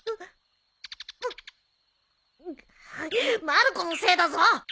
まる子のせいだぞ。